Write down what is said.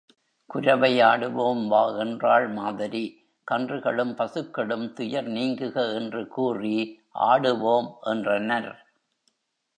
குரவை ஆடுவோம் வா என்றாள் மாதரி, கன்றுகளும் பசுக்களும் துயர் நீங்குக என்று கூறி ஆடுவோம் என்றனர்.